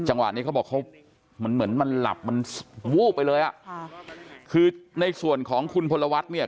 นี้เขาบอกเขาเหมือนเหมือนมันหลับมันวูบไปเลยอ่ะค่ะคือในส่วนของคุณพลวัฒน์เนี่ย